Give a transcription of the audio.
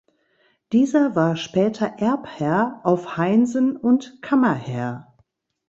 Dieser war später Erbherr auf Heinsen und Kammerherr.